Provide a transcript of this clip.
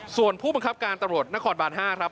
ส่วนผู้บังคับการตำรวจนครบาน๕ครับ